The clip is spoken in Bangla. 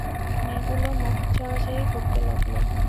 মেয়েগুলো মুখ চাওয়াচাওয়ি করতে লাগল।